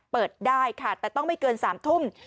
เปิดได้ค่ะแต่ต้องไม่เกิน๓ทุ่ม